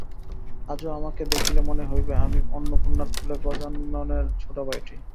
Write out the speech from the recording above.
আজও আমাকে দেখিলে মনে হইবে, আমি অন্নপূর্ণার কোলে গজাননের ছোটো ভাইটি।